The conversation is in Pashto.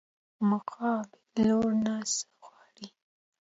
مقابل لوري نه څه غواړې؟